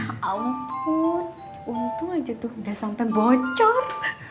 ya ampun untung aja tuh gak sampe bocor